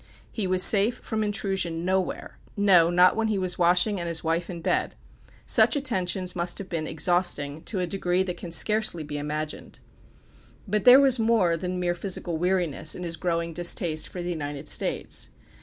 He was safe from intrusion nowhere no, not when he was washing and his wife in bed. Such attentions must have been exhausting to a degree that can scarcely be imagined. But there was more than mere physical weariness in his growing distaste for the United States.